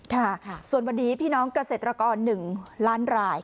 ค่ะส่วนวันนี้พี่น้องเกษตรกร๑ล้านราย